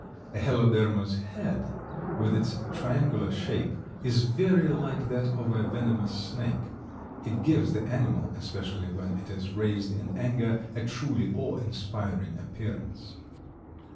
A Heloderma's head, with its triangular shape, is very like that of a venomous snake; it gives the animal—especially when it is raised in anger—a truly awe inspiring appearance.